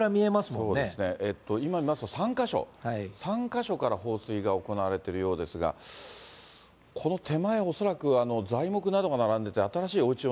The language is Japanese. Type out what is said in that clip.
そうですね、今見ますと、３か所、３か所から放水が行われているようですが、この手前、恐らく材木などが並んでいて、新しいおうちを。